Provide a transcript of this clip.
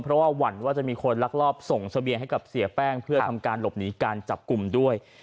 เพราะว่าหวั่นว่าจะมีคนลักลอบส่งเสบียงให้กับเสียแป้งเพื่อทำการหลบหนีการจับกลุ่มด้วย